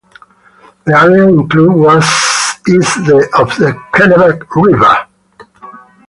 The area included was east of the Kennebec River.